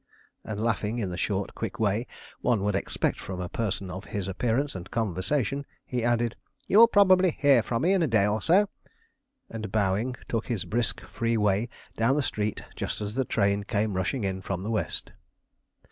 And laughing in the short, quick way one would expect from a person of his appearance and conversation, he added: "You will probably hear from me in a day or so," and bowing, took his brisk, free way down the street just as the train came rushing in from the West.